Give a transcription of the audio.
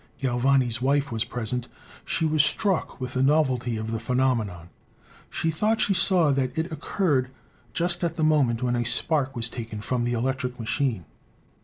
Galvani's wife was present; she was struck with the novelty of the phenome non; she thought she saw that it occurred just at the moment when a spark was taken from the electric ma chine.